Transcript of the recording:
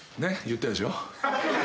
言ったでしょ。